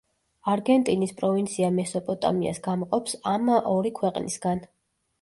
არგენტინის პროვინცია მესოპოტამიას გამოყოფს ამ ორი ქვეყნისგან.